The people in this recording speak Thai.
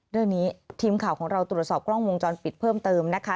เรื่องนี้ทีมข่าวของเราตรวจสอบกล้องวงจรปิดเพิ่มเติมนะคะ